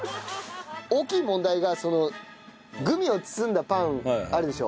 大きい問題がそのグミを包んだパンあるでしょ。